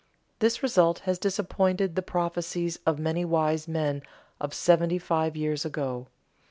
This result has disappointed the prophecies of many wise men of seventy five years ago.